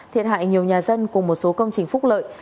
thiệt hại nhiều nhà dân cùng một số công trình phúc lợi